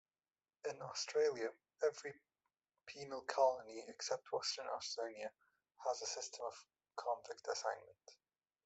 In Australia, every penal colony except Western Australia had a system of convict assignment.